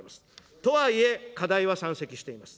とはいえ、課題は山積しています。